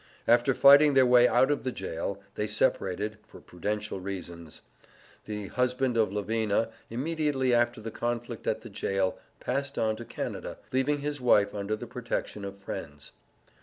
After fighting their way out of the jail, they separated (for prudential reasons). The husband of Lavina, immediately after the conflict at the jail, passed on to Canada, leaving his wife under the protection of friends.